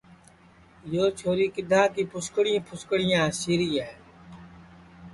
یو چھوری کِدھا کی پُھسکریں پُھسکریں ہاسی ری ہے